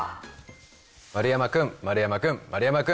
丸山君、丸山君、丸山君。